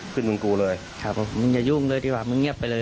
ขึ้นมึงกู้เลยครับมึงกู้อยู่